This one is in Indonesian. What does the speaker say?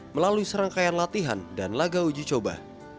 melalui serangkaian latihan dan laga uji coba